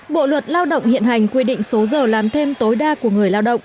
bộ luật lao động hiện hành quy định số giờ làm thêm tối đa của người lao động